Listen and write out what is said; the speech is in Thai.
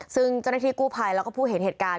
ซึ่งเจ้าหน้าที่กู้ภัยแล้วก็ผู้เห็นเหตุการณ์